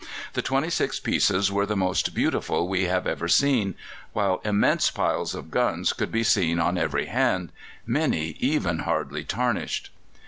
The twenty six pieces were the most beautiful we have ever seen, while immense piles of guns could be seen on every hand, many even hardly tarnished."